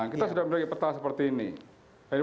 kita sudah memiliki peta seperti ini